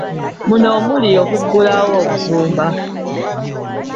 Muno omuli okuggulawo obusumba